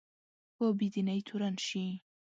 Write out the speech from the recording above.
په بې دینۍ تورن شي